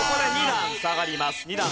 ２段下がります。